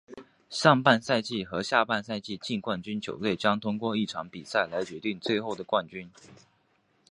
上半赛季和下半赛季冠军球队将通过一场比赛来决定最后的冠军。